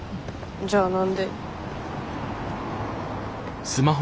じゃあ何で？